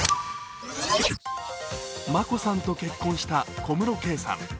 眞子さんと結婚した小室圭さん。